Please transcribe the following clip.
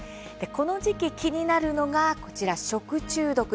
この時期、気になるのが食中毒。